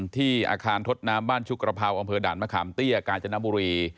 ที่อาคารทดน้ำบ้านชุกกระเภาอำเภอด่านมะขามเตี้ยกาญจนบุรี